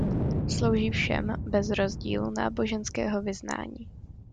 Slouží všem bez rozdílu náboženského vyznání.